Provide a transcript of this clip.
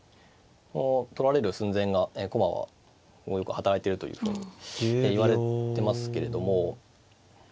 取られる寸前が駒はよく働いてるというふうにいわれてますけれども。